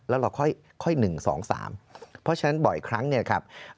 แล้วเราค่อย๑๒๓เพราะฉะนั้นบ่อยครั้งเนี่ยครับ